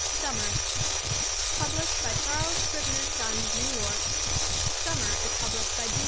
Summer. Published by Charles Scribner's Sons, New York; Summer is published by D.